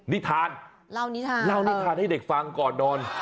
นิทานเล่านิทานเล่านิทานให้เด็กฟังก่อนนอน